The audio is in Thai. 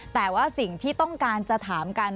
แต่ว่าสิ่งที่ต้องการจะถามกัน